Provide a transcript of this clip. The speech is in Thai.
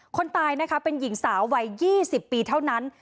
คนตายนะคะเป็นหญิงสาววัย๒๐ปีเท่านั้น